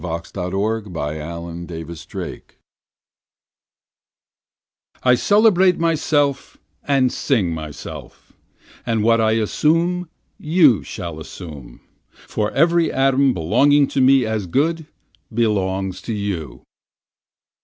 BOOK III Song of Myself 1 I celebrate myself, and sing myself, And what I assume you shall assume, For every atom belonging to me as good belongs to you.